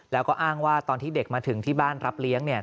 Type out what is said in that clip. แล้วก็อ้างว่าตอนที่เด็กมาถึงที่บ้านรับเลี้ยงเนี่ย